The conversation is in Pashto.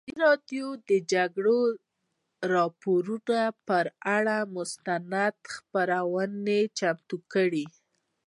ازادي راډیو د د جګړې راپورونه پر اړه مستند خپرونه چمتو کړې.